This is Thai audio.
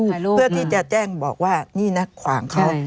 เพื่อที่จะแจ้งบอกว่านี่นะขวางเขา